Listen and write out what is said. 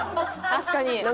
確かに。